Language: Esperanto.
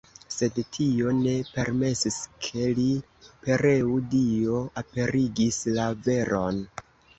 Sed Dio ne permesis, ke li pereu, Dio aperigis la veron.